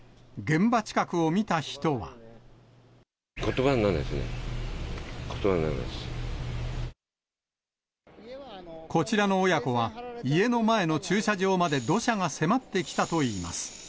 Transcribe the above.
ことばになんないですね、こちらの親子は、家の前の駐車場まで土砂が迫ってきたといいます。